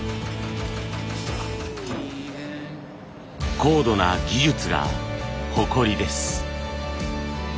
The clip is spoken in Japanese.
高度な技術が誇りです。